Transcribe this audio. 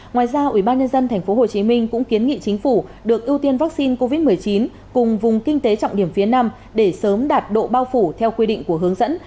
ngoài ra ubnd tp hcm cũng kiến nghị chính phủ được ưu tiên vaccine covid một mươi chín cùng vùng kinh tế trọng điểm phía nam để sớm đạt độ bao phủ theo quy định của hướng dẫn